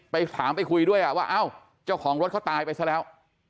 ไปถามไปคุยด้วยว่าเอ้าเจ้าของรถเขาตายไปซะแล้ว